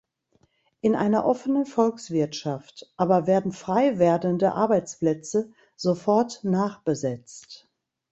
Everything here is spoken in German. In einer offenen Volkswirtschaft aber werden frei werdende Arbeitsplätze sofort nachbesetzt.